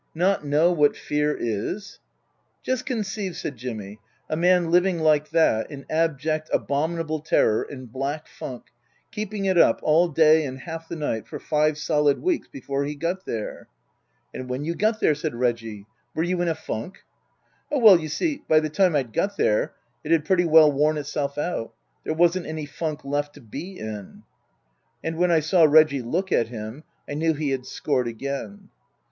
" Not know what fear is 1 " Just conceive/' said Jimmy, " a man living like that, in abject, abominable terror, in black funk keeping it up, all day and half the night, for five solid weeks before he got there/' " And when you did get there," said Reggie, " were you in a funk ?"" Oh, well, you see, by the time I'd got there it had pretty well worn itself out. There wasn't any funk left to be in." And when I saw Reggie look at him I knew he had scored again.